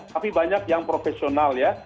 tapi banyak yang profesional ya